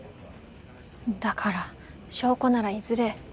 だから証拠ならいずれ。